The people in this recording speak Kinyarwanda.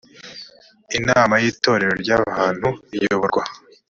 inama y itorero ry ahantu iyoborwa